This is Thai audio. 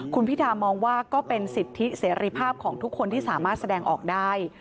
คุณพิธามองว่าก็เป็นสิทธิเสรีภาพของทุกคนที่สามารถแสดงออกได้